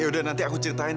yaudah nanti aku ceritain